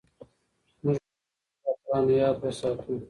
موږ بايد د خپلو اتلانو ياد تازه وساتو.